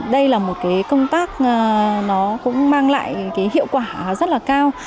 đây là một công tác nó cũng mang lại hiệu quả rất là cao